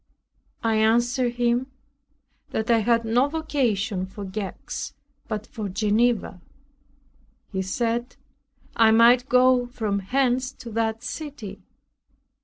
I answered him, "that I had no vocation for Gex, but for Geneva." He said, "I might go from hence to that city."